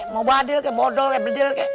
mau badil kek